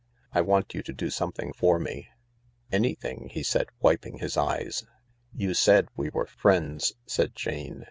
I want you to do something for me." " Anything," he said, wiping his eyes. " You said we were friends," said Jane.